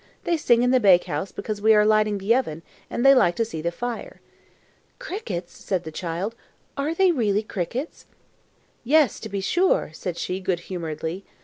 They sing in the bake house because we are lighting the oven, and they like to see the fire." "Crickets!" said the child; "are they really crickets?" "Yes, to be sure," said she, good humouredly.